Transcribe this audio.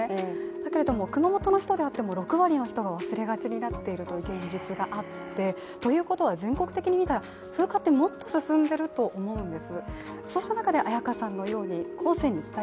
だけれども、熊本の人であっても６割の人が忘れがちになっているという現実があってということは、全国的に見たら風化ってもっと進んでいると思うんです。